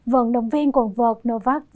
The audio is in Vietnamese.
vận động viên quần vợt novak